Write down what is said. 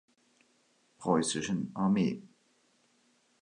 Preußischen Armee.